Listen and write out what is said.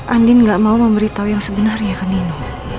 andin gak mau memberitahu yang sebenarnya kan nino